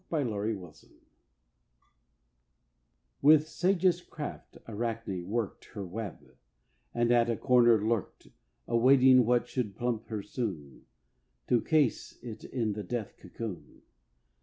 A GARDEN IDYL WITH sagest craft Arachne worked Her web, and at a corner lurked, Awaiting what should plump her soon, To case it in the death cocoon.